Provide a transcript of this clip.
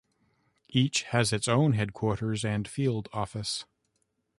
Each has its own headquarters and field office.